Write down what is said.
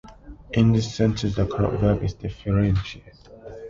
In this sentence, the correct verb is "differentiate".